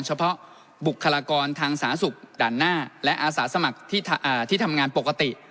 เฉพาะบุคลากรทางสาธารณสุขด่านหน้าและอาสาสมัครที่ทำงานปกติ